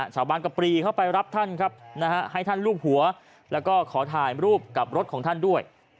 ชาวบ้านก็ปรีเข้าไปรับท่านครับให้ท่านลูบหัวแล้วก็ขอถ่ายรูปกับรถของท่านด้วย